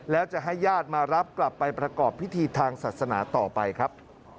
แล้วจะให้ญาติมารับกลับไปประกอบพิธีทางศาสนาต่อไปครับ